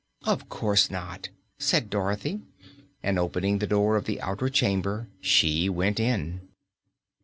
"Of course not," said Dorothy, and opening the door of the outer chamber, she went in.